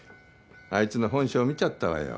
あいつの本性見ちゃったわよ。